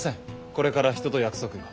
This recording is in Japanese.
これから人と約束が。